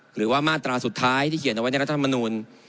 หรือว่ามาตราสุดท้ายที่เขียนเอาไว้ในรัฐมนูล